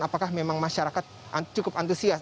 apakah memang masyarakat cukup antusias